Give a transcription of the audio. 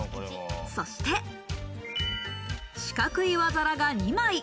そして四角い和皿が２枚。